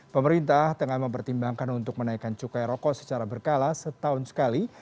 pemerintah tengah mempertimbangkan untuk menaikkan cukai rokok secara berkala setahun sekali